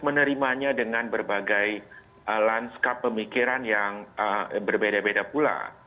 menerimanya dengan berbagai lanskap pemikiran yang berbeda beda pula